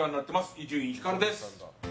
伊集院光です。